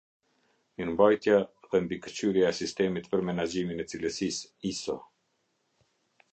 Mirëmbajtja & mbikëqyrja e sistemit për menaxhimin e cilësisë iso :